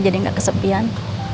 jadi gak kesepian